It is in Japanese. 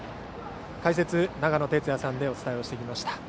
解説、長野哲也さんでお伝えしてきました。